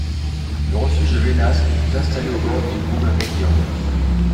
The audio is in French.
Le refuge de Vénasque est installé au bord du Boum médian.